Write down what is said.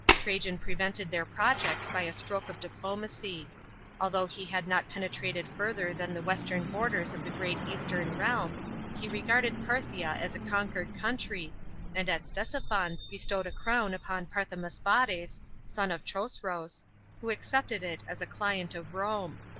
Trajan prevented their projects by a stroke of diplomacy. Although he had not penetrated further than the western borders of the great eastern realm, he regarded Parthia as a conquered country, and at Ctesiphon bestowed the crown upon Parthamaspates, son of Chosroes, who accepted it at a client of Rome.